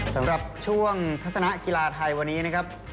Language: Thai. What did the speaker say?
สำหรับช่วงทัศนะกีฬาไทยวันนี้นะครับ